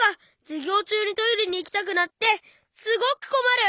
じゅぎょうちゅうにトイレにいきたくなってすごくこまる！